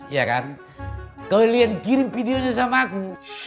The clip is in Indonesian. ya kan kalian kirim videonya sama aku